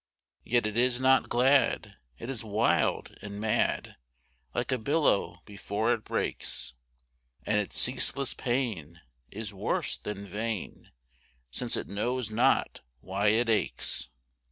Yet it is not glad it is wild and mad Like a billow before it breaks; And its ceaseless pain is worse than vain, Since it knows not why it aches.